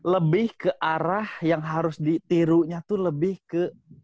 lebih ke arah yang harus ditirunya tuh lebih ke